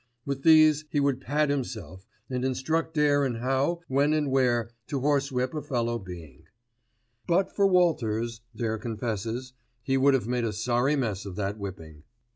With these he would pad himself and instruct Dare in how, when and where to horsewhip a fellow being. But for Walters, Dare confesses, he would have made a sorry mess of that whipping.